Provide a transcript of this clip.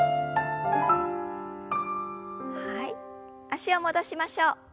脚を戻しましょう。